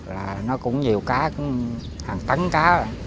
là nó cũng nhiều cá hàng tấn cá